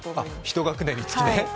ひと学年につきね。